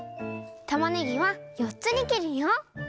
たまねぎは４つに切るよ。